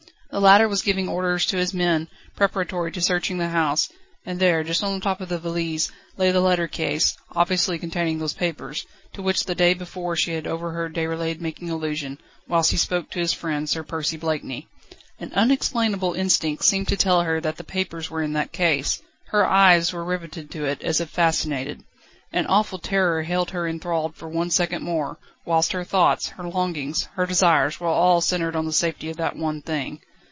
The latter was giving orders to his men, preparatory to searching the house, and there, just on the top of the valise, lay the letter case, obviously containing those papers, to which the day before she had overheard Déroulède making allusion, whilst he spoke to his friend, Sir Percy Blakeney. An unexplainable instinct seemed to tell her that the papers were in that case. Her eyes were riveted on it, as if fascinated. An awful terror held her enthralled for one second more, whilst her thoughts, her longings, her desires were all centred on the safety of that one thing.